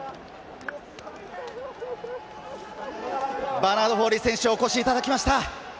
バーナード・フォーリー選手にお越しいただきました。